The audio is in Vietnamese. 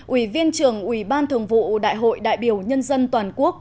ủy viên trưởng ủy ban thường vụ đại hội đại biểu nhân dân toàn quốc